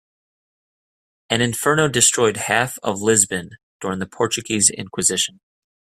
An inferno destroyed half of Lisbon during the Portuguese inquisition.